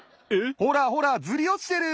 ほらほらずりおちてる。